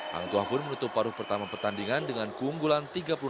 hangtua pun menutup paruh pertama pertandingan dengan keunggulan tiga puluh enam dua puluh delapan